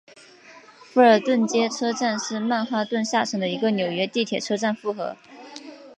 福尔顿街车站是曼哈顿下城的一个纽约地铁车站复合。